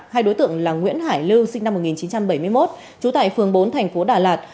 hai đối tượng là nguyễn hải lưu sinh năm một nghìn chín trăm bảy mươi một trú tại phường bốn thành phố đà lạt